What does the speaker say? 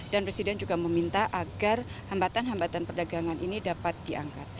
dan presiden juga meminta agar hambatan hambatan perdagangan ini dapat diangkat